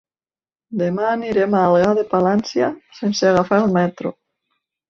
Demà anirem a Algar de Palància sense agafar el metro.